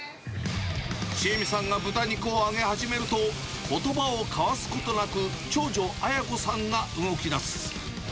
智恵美さんが豚肉を揚げ始めると、ことばを交わすことなく、長女、紋子さんが動きだす。